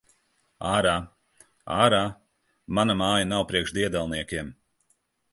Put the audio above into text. Ārā! Ārā! Mana māja nav priekš diedelniekiem!